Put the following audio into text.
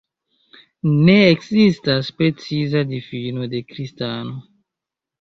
Ne ekzistas preciza difino de kristano.